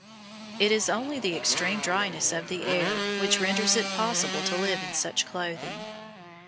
It is only the extreme dryness of the air which renders it possible to live in such clothing.